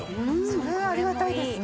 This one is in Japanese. それはありがたいですね。